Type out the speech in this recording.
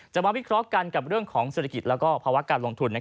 มาวิเคราะห์กันกับเรื่องของเศรษฐกิจและภาวะการลงทุน